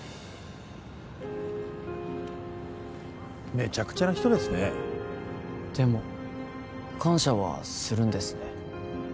めちゃくちゃな人ですねでも感謝はするんですね